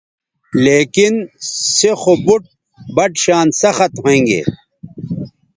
لیکن سے خو بُٹ بَٹ شان سخت ھوینگے